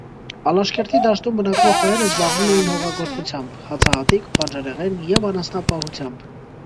Ալաշկերտի դաշտում բնակվող հայերն զբաղվում էին հողագործությամբ (հացահատիկ, բանջարեղեն) և անասնապահությամբ։